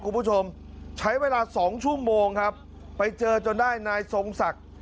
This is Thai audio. คุณผู้ชมใช้เวลาสองชั่วโมงครับไปเจอจนได้นายทรงศักดิ์